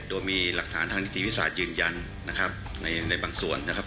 โดยมีหลักฐานทางนิติวิทยาศาสตร์ยืนยันนะครับในบางส่วนนะครับ